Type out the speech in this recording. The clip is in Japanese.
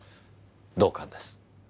同感です。